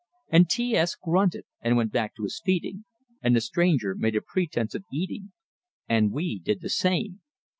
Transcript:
And T S grunted, and went back to his feeding; and the stranger made a pretense of eating, and we did the same.